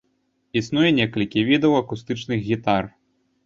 Існуе некалькі відаў акустычных гітар.